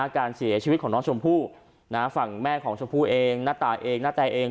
การเสียชีวิตของน้องชมพู่ฝั่งแม่ของชมพู่เองหน้าตาเองหน้าแตเอง